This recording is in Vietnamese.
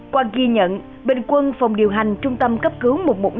qua ghi nhận bình quân phòng điều hành trung tâm cấp cứu một trăm một mươi năm